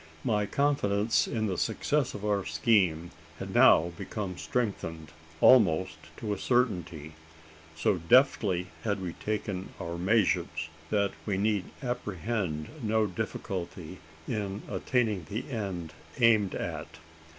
My confidence in the success of our scheme had now become strengthened almost to a certainty. So deftly had we taken our measures, that we need apprehend no great difficulty in attaining the end aimed at.